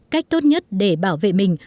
cách tốt nhất để bảo vệ mình